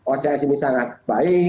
ocs ini sangat baik